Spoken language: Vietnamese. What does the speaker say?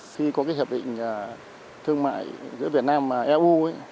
khi có cái hiệp định thương mại giữa việt nam và eu